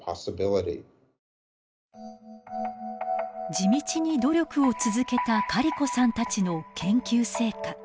地道に努力を続けたカリコさんたちの研究成果。